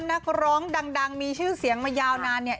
นักร้องดังมีชื่อเสียงมายาวนานเนี่ย